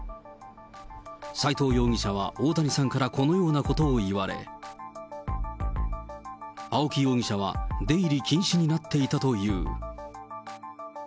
斎藤容疑者は大谷さんからこのようなことを言われ、青木容疑者は出入り禁止になっていたという。